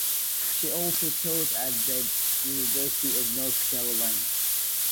She also taught at the University of North Carolina.